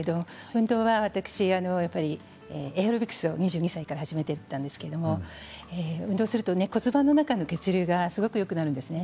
運動は私エアロビクスを２２歳から始めていたんですけど運動をすると骨盤の中の血流がすごくよくなるんですね。